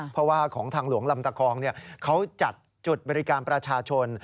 เพราะว่าของทางหลวงลำตะคองเขาจัดจุดบริการประชาชน